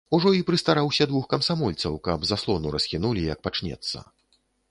Ужо й прыстараўся двух камсамольцаў, каб заслону расхінулі, як пачнецца.